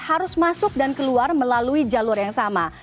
harus masuk dan keluar melalui jalur yang sama